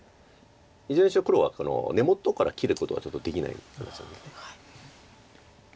いずれにしろ黒は根元から切ることはちょっとできない形なんです。